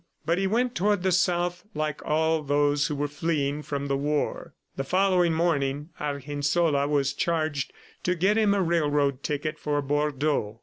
But he went toward the South like all those who were fleeing from the war. The following morning Argensola was charged to get him a railroad ticket for Bordeaux.